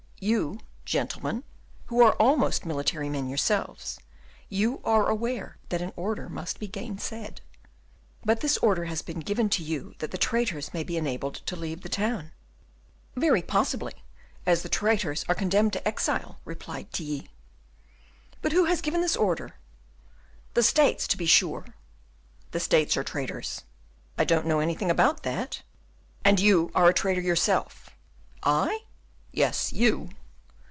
You, gentlemen, who are almost military men yourselves, you are aware that an order must never be gainsaid." "But this order has been given to you that the traitors may be enabled to leave the town." "Very possibly, as the traitors are condemned to exile," replied Tilly. "But who has given this order?" "The States, to be sure!" "The States are traitors." "I don't know anything about that!" "And you are a traitor yourself!" "I?" "Yes, you."